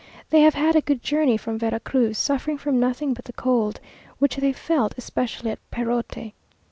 They have had a good journey from Vera Cruz, suffering from nothing but the cold, which they felt especially at Perote.